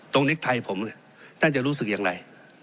นิกไทยผมท่านจะรู้สึกอย่างไร